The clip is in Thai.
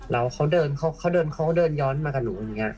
แล้วเขาเดินย้อนมากับหนู